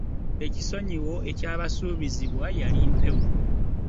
Ekisonyiwo ekyabasuubizibwa yali mpewo.